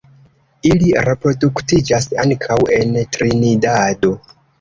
Ili reproduktiĝas ankaŭ en Trinidado.